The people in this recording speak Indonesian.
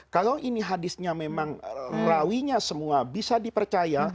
kalau ini hadisnya memang rawinya semua bisa dipercaya